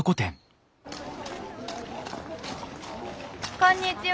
こんにちは。